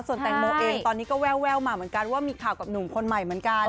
ส่วนแตงโมเองตอนนี้ก็แววมาเหมือนกันว่ามีข่าวกับหนุ่มคนใหม่เหมือนกัน